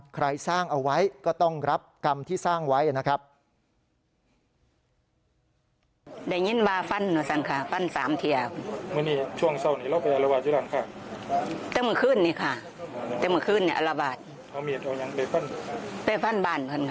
ใครสร้างเอาไว้ก็ต้องรับกรรมที่สร้างไว้นะครับ